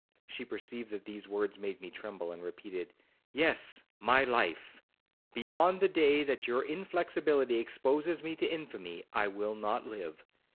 She perceived that these words made me tremble, and repeated, 'Yes, my life; beyond the day that your inflexibility exposes me to infamy, I will not live.